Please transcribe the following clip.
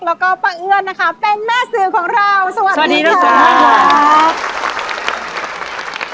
แล้วก็ป้าเอื้อนนะคะเป็นแม่สื่อของเราสวัสดีครับ